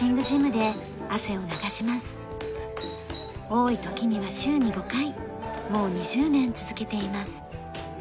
多い時には週に５回もう２０年続けています。